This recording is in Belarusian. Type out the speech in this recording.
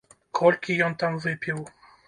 Колькі ён там выпіў!